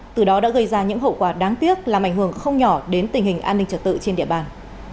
từ đó đã gây ra những hậu quả đáng tiếc làm ảnh hưởng không nhỏ đến tình hình an ninh trật tự trên địa bàn